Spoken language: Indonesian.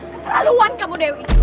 keterlaluan kamu dewi